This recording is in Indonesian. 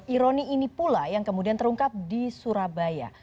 ironi ini pula yang kemudian terungkap di surabaya